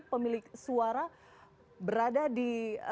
pemilik suara berada di